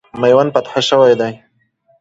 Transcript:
میوند فتح سوی دی.